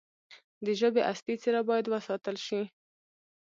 د ژبې اصلي څیره باید وساتل شي.